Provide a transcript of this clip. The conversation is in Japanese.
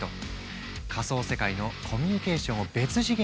仮想世界のコミュニケーションを別次元に引き上げたんだ。